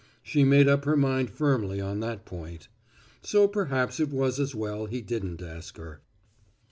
She made up her mind firmly on that point. So perhaps it was as well he didn't ask her.